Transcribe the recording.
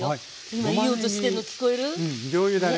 今いい音してるの聞こえる？